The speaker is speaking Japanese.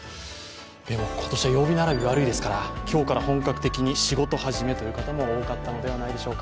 今年は曜日並び悪いですから、今日から本格的に仕事始めという方も多かったのではないでしょうか。